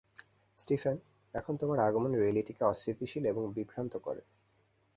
Stephen, এখানে তোমার আগমন রিয়েলিটিকে অস্থিতিশীল এবং বিভ্রান্ত করে।